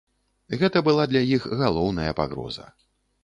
Гэта была для іх галоўная пагроза.